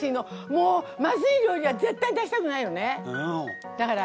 もうまずい料理は絶対出したくないのね。